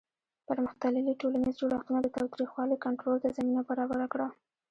پرمختللي ټولنیز جوړښتونه د تاوتریخوالي کنټرول ته زمینه برابره کړه.